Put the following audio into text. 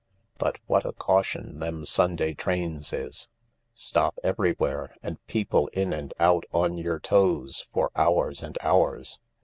But what a caution them Sunday trains is — stop everywhere and people in and out on yer toes for hours and hours.